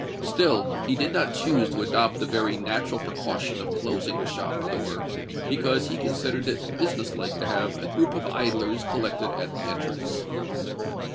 Still he did not choose to adopt the very natural precaution of closing the shop door, because he considered it business like to have a group of idlers collected at the entrance.